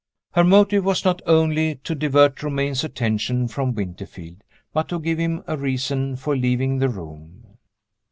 Her motive was not only to divert Romayne's attention from Winterfield, but to give him a reason for leaving the room.